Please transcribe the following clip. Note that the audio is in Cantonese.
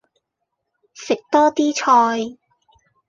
食多啲菜